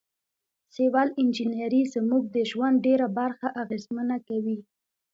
سیول انجنیری زموږ د ژوند ډیره برخه اغیزمنه کوي.